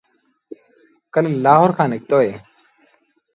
ڪآل لآهور کآݩ نکتو اهي